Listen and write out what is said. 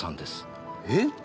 えっ！？